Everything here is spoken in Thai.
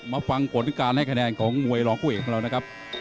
มาฟังผลการให้คะแนนของมวยรองผู้เอกของเรานะครับ